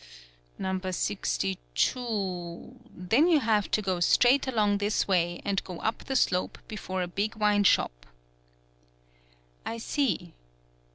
"Number sixty two then you have to go straight along this way, and go up the slope before a big wine shop." "I see."